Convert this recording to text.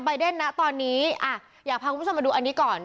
เดนนะตอนนี้อ่ะอยากพาคุณผู้ชมมาดูอันนี้ก่อน